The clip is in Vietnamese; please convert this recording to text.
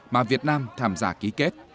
mà việt nam tham gia ký kết